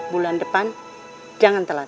bulan depan jangan telan